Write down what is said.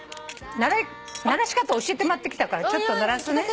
鳴らし方教えてもらってきたからちょっと鳴らすね。